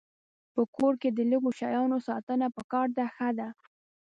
په کور کې د لږو شیانو ساتنه پکار ده ښه ده.